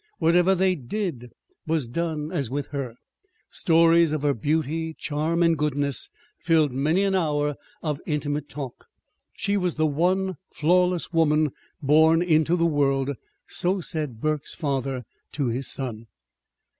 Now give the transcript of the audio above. Whatever they did was done as with her. Stories of her beauty, charm, and goodness filled many an hour of intimate talk. She was the one flawless woman born into the world so said Burke's father to his son.